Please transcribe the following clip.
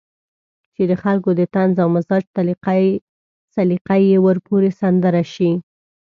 چې د خلکو د طنز او مزاح سليقه به ورپورې سندره شي.